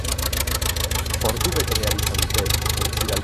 Ordubete behar izan dute ontziralekura iristeko.